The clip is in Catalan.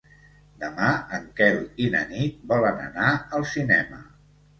Demà en Quel i na Nit volen anar al cinema.